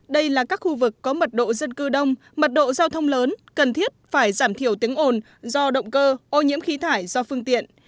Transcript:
đây là các khu vực có mật độ dân cư đông mật độ giao thông lớn cần thiết phải giảm thiểu tiếng ồn do động cơ ô nhiễm khí thải do phương tiện